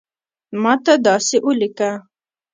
ماته داسی اولیکه